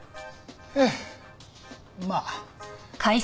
ええまあ。